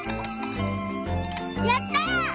やった！